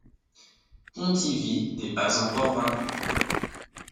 Pontivy n’est pas encore vaincu.